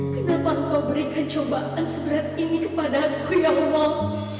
kenapa kau berikan cobaan seberat ini kepadaku ya allah